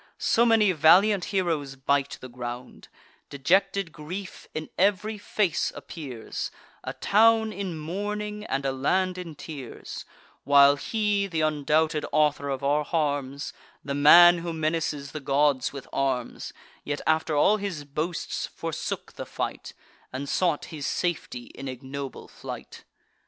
So many valiant heroes bite the ground; Dejected grief in ev'ry face appears; A town in mourning, and a land in tears; While he, th' undoubted author of our harms, The man who menaces the gods with arms, Yet, after all his boasts, forsook the fight, And sought his safety in ignoble flight.